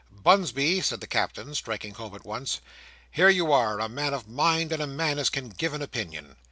"Bunsby," said the Captain, striking home at once, "here you are; a man of mind, and a man as can give an opinion.